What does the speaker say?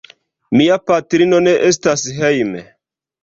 Mia patrino ne estas hejme.